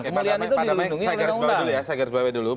kemuliaan itu dilindungi oleh undang